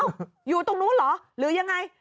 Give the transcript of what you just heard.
อยู่ตรงนู้นเหรอหรือยังไง